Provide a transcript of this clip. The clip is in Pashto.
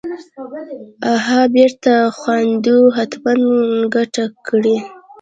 اها بېرته ځوانېدو حتمن ګته کړې.